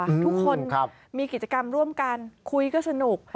ทุกคนมีกิจกรรมร่วมกันคุยก็สนุก